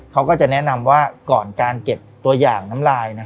เขาก็จะแนะนำว่าก่อนการเก็บตัวอย่างน้ำลาย